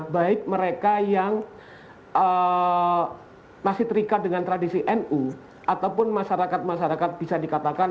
baik mereka yang masih terikat dengan tradisi nu ataupun masyarakat masyarakat bisa dikatakan